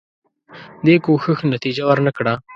دې کوښښ نتیجه ورنه کړه.